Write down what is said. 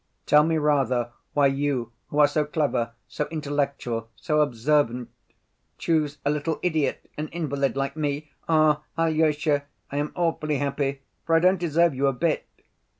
"Tell me rather why you who are so clever, so intellectual, so observant, choose a little idiot, an invalid like me? Ah, Alyosha, I am awfully happy, for I don't deserve you a bit."